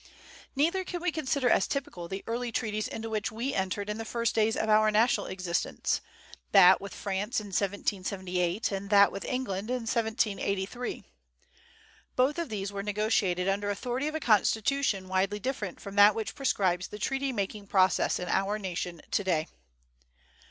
Neither can we consider as typical the early treaties into which we entered in the first days of our national existence, that with France in 1778, and that with England in 1783. Both of these were negotiated under authority of a constitution widely different from that which prescribes the treaty making process in our nation to day.